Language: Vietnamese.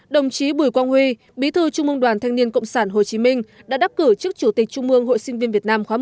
đồng chí bùi quang huy bí thư trung mương đoàn thanh niên cộng sản hồ chí minh đã đắc cử chức chủ tịch trung mương hội sinh viên việt nam khóa một mươi